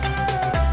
saya juga ngantuk